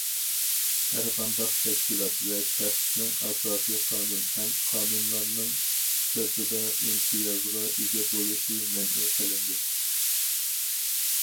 ھەرقانداق تەشكىلات ۋە شەخسنىڭ ئاساسىي قانۇن ھەم قانۇنلارنىڭ سىرتىدا ئىمتىيازغا ئىگە بولۇشى مەنئى قىلىندى.